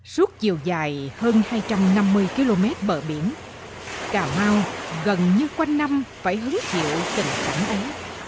suốt chiều dài hơn hai trăm năm mươi km bờ biển cà mau gần như quanh năm phải hứng chịu tình cảm ấy